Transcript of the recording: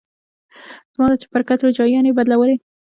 زما د چپرکټ روجايانې يې بدلولې.